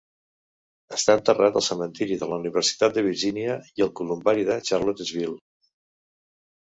Està enterrat al cementiri de la Universitat de Virgínia i el columbari a Charlottesville.